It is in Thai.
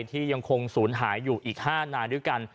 ที่ยังคงศูนย์หายอยู่อีก๕นายด้วยกัน